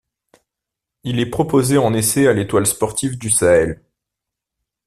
Il est proposé en essai à l'Étoile sportive du Sahel.